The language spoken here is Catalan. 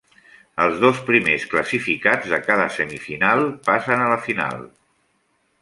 Els dos primers classificats de cada semifinal passa a la final.